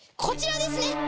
こちらですね。